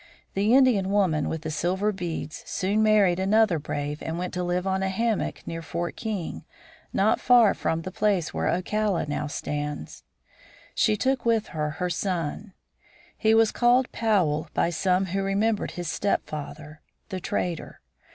The Indian woman with the silver beads soon married another brave, and went to live on a "hammock" near Fort King, not far from the place where Ocala now stands. She took with her her son. He was called Powell by some who remembered his stepfather, the trader.